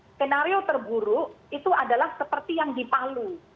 skenario terburuk itu adalah seperti yang dipalu